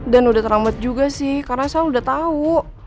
dan udah terlambet juga sih karena sal udah tau